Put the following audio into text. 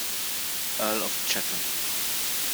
Earl of Chatham.